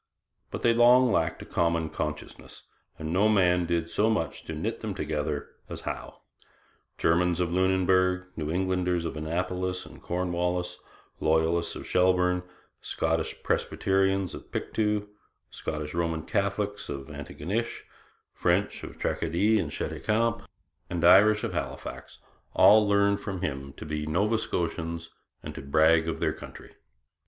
But they long lacked a common consciousness, and no man did so much to knit them together as Howe. Germans of Lunenburg, New Englanders of Annapolis and Cornwallis, Loyalists of Shelburne, Scottish Presbyterians of Pictou, Scottish Roman Catholics of Antigonish, French of Tracadie and Cheticamp, and Irish of Halifax, all learned from him to be Nova Scotians and to 'brag of their country.'